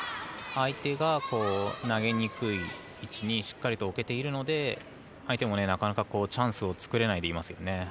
相手が投げにくい位置にしっかりと置けているので相手も、なかなかチャンスを作れないでいますね。